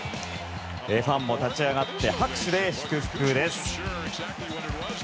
ファンも立ち上がって拍手で祝福です。